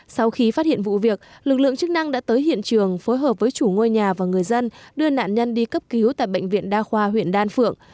sau khi phát hiện vụ việc lực lượng chức năng đã tới hiện trường phối hợp với chủ ngôi nhà và người dân đưa nạn nhân đi cấp cứu tại bệnh viện đa khoa huyện đan phượng